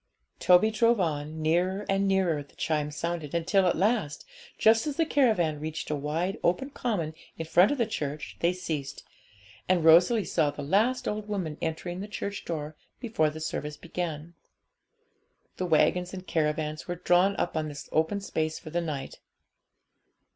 Toby drove on; nearer and nearer the chimes sounded, until at last, just as the caravan reached a wide open common in front of the church, they ceased, and Rosalie saw the last old woman entering the church door before the service began. The waggons and caravans were drawn up on this open space for the night.